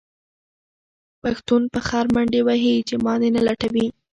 پښتون په خر منډې وهې چې ما دې نه لټوي.